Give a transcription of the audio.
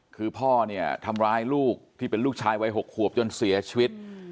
คือพ่อเนี่ยทำร้ายลูกที่เป็นลูกชายวัย๖ขวบจนเสียชีวิต